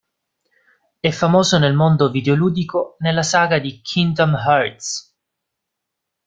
E famoso nel mondo videoludico nella saga di Kingdom Hearts.